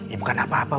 ya bukan apa apa